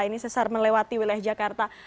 ini sesar melewati wilayah jakarta